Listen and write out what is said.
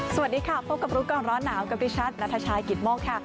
สวัสดีค่ะพบกับรู้ก่อนร้อนหนาวกับดิฉันนัทชายกิตโมกค่ะ